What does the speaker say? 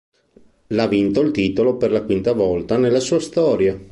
L' ha vinto il titolo per la quinta volta nella sua storia.